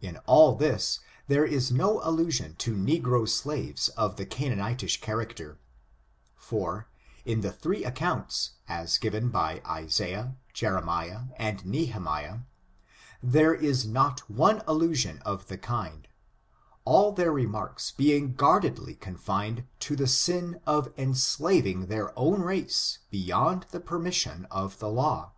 In all this, there is no allu sion to negro slaves of the Canaanitish character, for, in the three accounts, as given by Isaiah, Jeremiah and Nehemiah, there is not one allusion of the kind ; all their remarks being guardedly confined to the sin of enslaving their own race beyond the permission of their law.